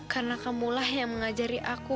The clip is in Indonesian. karena kamu lah yang mengajari aku